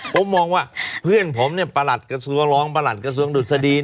ผมมองว่าเพื่อนผมเนี่ยประหลัดกระทรวงรองประหลัดกระทรวงดุษฎี